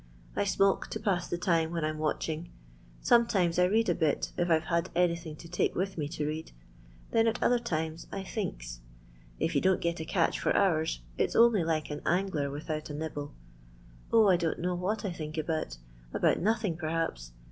I smoke to pass the time when I 'm watching ; sometimes I read a bit if I 're had anythini; to take with me to read; thenal other times I thinks. If you don't get a for hours, it 's only like an angler without a nib ble. 0, 1 don't know what I think about ; about nothing, perhaps.